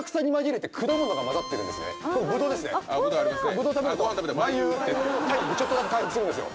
ぶどう食べるとまいうーって体力ちょっとだけ回復するんですよ。